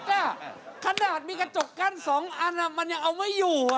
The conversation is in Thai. ขนาดมีกระจกกั้น๒อันมันยังเอาไม่อยู่